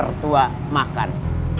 bisa punya rumah baru